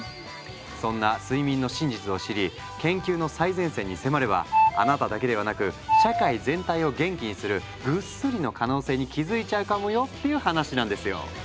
そんな睡眠の真実を知り研究の最前線に迫ればあなただけではなく社会全体を元気にするグッスリの可能性に気付いちゃうかもよっていう話なんですよ。